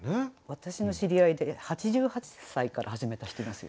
私の知り合いで８８歳から始めた人いますよ。